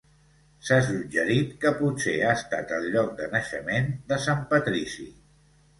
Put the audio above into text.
S'ha suggerit que potser ha estat el lloc de naixement de Sant Patrici.